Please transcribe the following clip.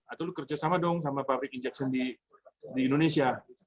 atau lo kerja sama dong sama pabrik injeksi di indonesia